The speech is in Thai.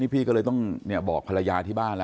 พี่ก็เลยต้องบอกภรรยาที่บ้านแล้ว